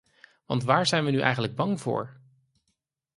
Want waar zijn we nu eigenlijk bang voor?